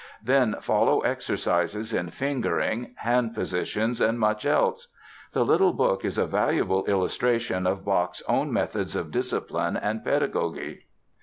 Then follow exercises in fingering, hand positions, and much else. The little book is a valuable illustration of Bach's own methods of discipline and pedagogy.